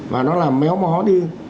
và nó làm méo mó đi